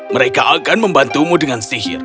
mereka akan membantumu dengan sihir